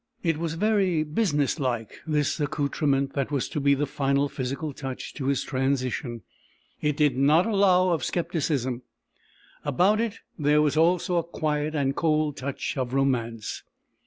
It was very business like, this accoutrement that was to be the final physical touch to his transition; it did not allow of skepticism; about it there was also a quiet and cold touch of romance.